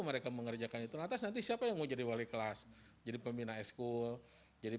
mereka mengerjakan itu atas nanti siapa yang menjadi wali kelas jadi pembina eskul jadi